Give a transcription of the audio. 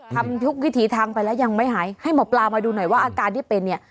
ทำทุกวิถีทางไปแล้วยังไม่หายให้หมอปลามาดูหน่อยว่าอาการที่เป็นเนี่ย